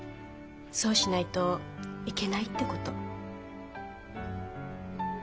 そうしないといけないってこと。